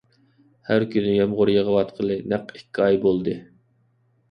ھەر كۈنى يامغۇر يېغىۋاتقىلى نەق ئىككى ئاي بولدى.